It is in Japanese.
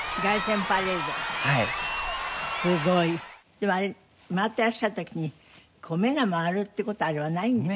でもあれ回ってらっしゃる時にこう目が回るって事はあれはないんでしょ？